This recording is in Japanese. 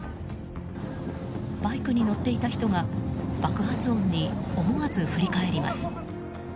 バイクに乗っていた人が爆発音に思わず振り返ります。